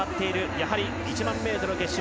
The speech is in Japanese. やはり１００００ｍ決勝